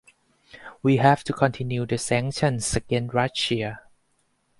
We have to continue the sanctions against Russia.